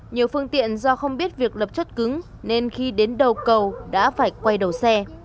nhiều phương tiện do không biết việc lập chất cứng nên khi đến đầu cầu đã phải quay đầu xe